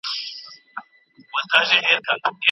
بهرنی سیاست د هیواد لپاره مادي او معنوي ګټي تضمینوي.